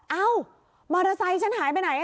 เอ้ามอเตอร์ไซค์ฉันหายไปไหน